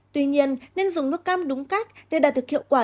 tuy nhiên nên dùng nước cam đúng cách để đạt được hiệu quả